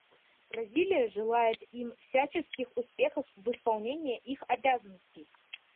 Бразилия желает им всяческих успехов в исполнении их обязанностей.